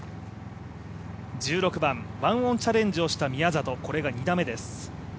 １６番、１オンチャレンジをた宮里これが２打目です。